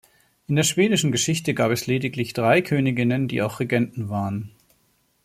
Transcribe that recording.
In der schwedischen Geschichte gab es lediglich drei Königinnen, die auch Regenten waren.